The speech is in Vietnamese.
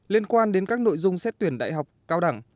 liên quan đến các nội dung xét tuyển đại học cao đẳng